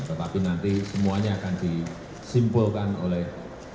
tetapi nanti semuanya akan disimpulkan oleh